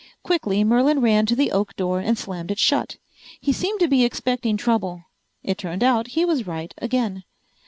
Quickly Merlin ran to the oak door and slammed it shut. He seemed to be expecting trouble. It turned out he was right again.